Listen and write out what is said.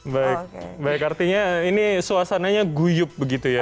baik baik artinya ini suasananya guyup begitu ya